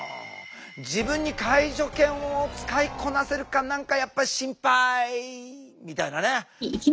自分に介助犬を使いこなせるか何かやっぱりしんぱいみたいなね。